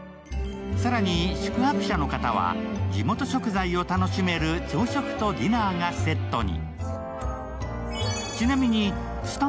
更に、宿泊者の方は地元食材を楽しめる朝食とディナーがセットに。